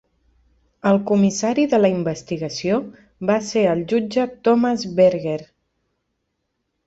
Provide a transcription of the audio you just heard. El comissari de la investigació va ser el jutge Thomas Berger.